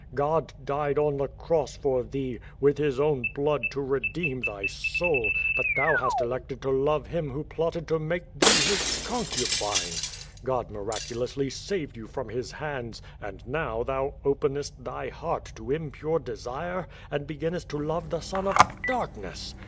God died on the cross for thee, with his own blood to redeem tliy soul, but thou hast elected to love him who plotted to make thee his concubine. God miraculously saved you from liis hands, and now thou openest tliy heart to impure desire and beginnest to love the son of darkness.